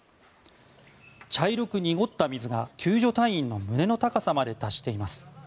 茶色く濁った水が救助隊員の胸の高さまで達しています。